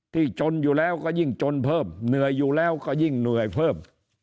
จนอยู่แล้วก็ยิ่งจนเพิ่มเหนื่อยอยู่แล้วก็ยิ่งเหนื่อยเพิ่ม